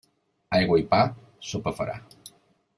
Aigua i pa, sopa farà.